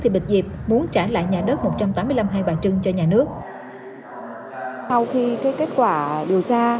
thì bình diệp muốn trả lại nhà đất một trăm tám mươi năm hai bà trưng cho nhà nước sau khi cái kết quả điều tra